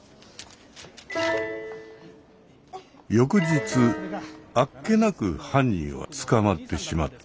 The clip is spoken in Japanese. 翌日あっけなく犯人は捕まってしまった。